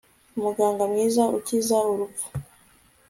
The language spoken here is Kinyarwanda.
umuganga mwiza ukiza urupfu